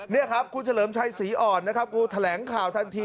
นี่ครับคุณเฉลิมชัยศรีอ่อนนะครับกูแถลงข่าวทันที